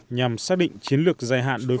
nhằm xác định chiến lược dài hạn đối phó với dịch